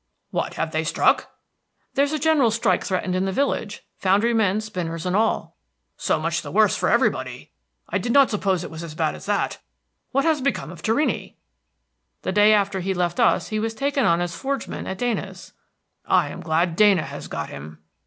"What, have they struck?" "There's a general strike threatened in the village; foundry men, spinners, and all." "So much the worse for everybody! I did not suppose it was as bad as that. What has become of Torrini?" "The day after he left us he was taken on as forgeman at Dana's." "I am glad Dana has got him!"